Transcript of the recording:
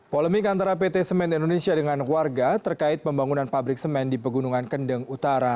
polemik antara pt semen indonesia dengan warga terkait pembangunan pabrik semen di pegunungan kendeng utara